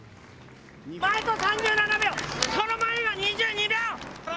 前と３７秒、その前が２２秒。